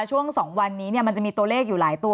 ช่วง๒วันนี้มันจะมีตัวเลขอยู่หลายตัว